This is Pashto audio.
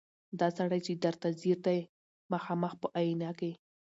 دا سړی چي درته ځیر دی مخامخ په آیینه کي